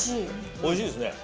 おいしいですね。